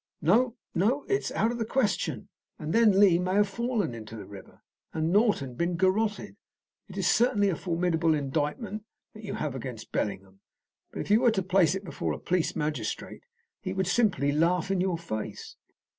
"No, no; it is out of the question." "And then Lee may have fallen into the river, and Norton been garrotted. It is certainly a formidable indictment that you have against Bellingham; but if you were to place it before a police magistrate, he would simply laugh in your face."